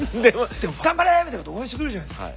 でも「頑張れ！」みたいなこと応援してくれるじゃないですか。